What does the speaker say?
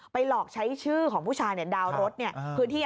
ไปหลอกใช้ชื่อของพุทย์เนี่ยดาวรถเนี่ย